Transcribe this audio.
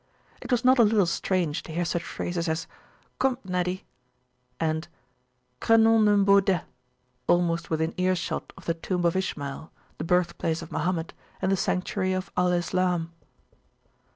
It was not a little strange to hear such phrases as Come p, Neddy, and Cre nom dun baudet, almost within earshot of the tomb of Ishmael, the birthplace of Mohammed, and the Sanctuary of Al Islam.